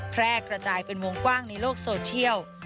แพร่กระจายเป็นวงกว้างในโลกโซเชียล